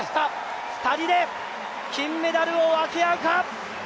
２人で金メダルを分け合うか！